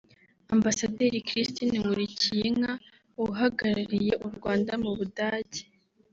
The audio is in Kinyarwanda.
Ambasaderi Christine Nkulikiyinka uhagarariye u Rwanda mu Budage